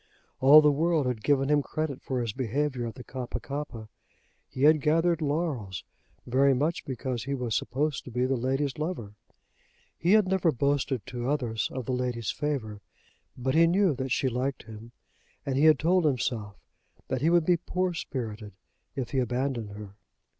All the world had given him credit for his behaviour at the Kappa kappa. He had gathered laurels, very much because he was supposed to be the lady's lover. He had never boasted to others of the lady's favour; but he knew that she liked him, and he had told himself that he would be poor spirited if he abandoned her.